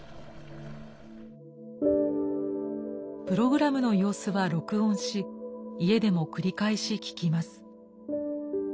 プログラムの様子は録音し家でも繰り返し聞きます。